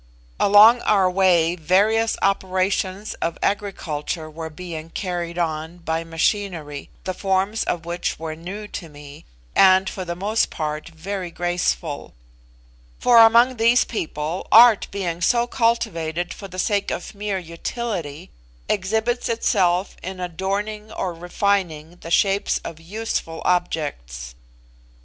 Along our way various operations of agriculture were being carried on by machinery, the forms of which were new to me, and for the most part very graceful; for among these people art being so cultivated for the sake of mere utility, exhibits itself in adorning or refining the shapes of useful objects.